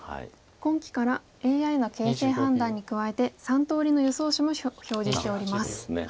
今期からＡＩの形勢判断に加えて３通りの予想手も表示しております。